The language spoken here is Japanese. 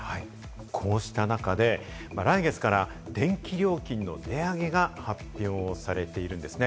こうした中で、来月から電気料金の値上げが発表されているんですね。